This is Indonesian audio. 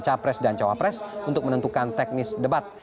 capres dan cawapres untuk menentukan teknis debat